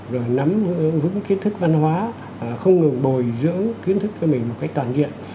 rồi nắm vững kiến thức văn hóa không ngừng bồi dưỡng kiến thức cho mình một cách toàn diện